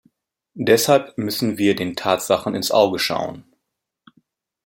Deshalb müssen wir den Tatsachen ins Auge schauen.